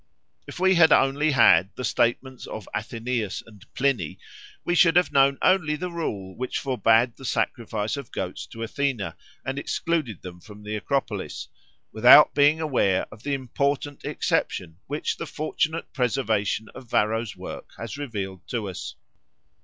If we had had only the statements of Athenaeus and Pliny, we should have known only the rule which forbade the sacrifice of goats to Athena and excluded them from the Acropolis, without being aware of the important exception which the fortunate preservation of Varro's work has revealed to us.